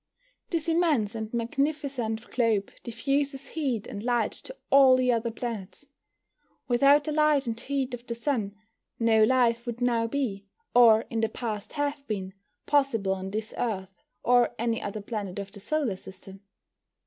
This immense and magnificent globe diffuses heat and light to all the other planets. Without the light and heat of the Sun no life would now be, or in the past have been, possible on this Earth, or any other planet of the solar system.